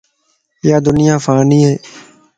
يادنيا فاني ائي